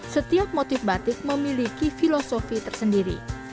setiap motif batik memiliki filosofi tersendiri